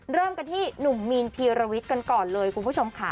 เริ่มกันที่หนุ่มมีนพีรวิทย์กันก่อนเลยคุณผู้ชมค่ะ